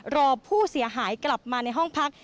รอผู้เสียหายกลับมาในห้องพัก